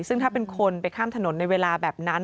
ซึ่งถ้าเป็นคนไปข้ามถนนในเวลาแบบนั้น